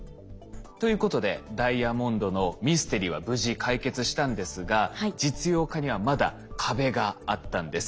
ということでダイヤモンドのミステリーは無事解決したんですが実用化にはまだ壁があったんです。